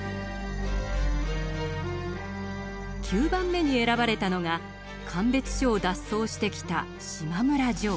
９番目に選ばれたのが鑑別所を脱走してきた島村ジョー。